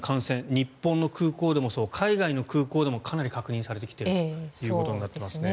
日本の空港でもそう海外の空港でもかなり確認されてきているということになっていますね。